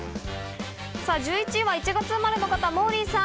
１１位は１月生まれの方、モーリーさん。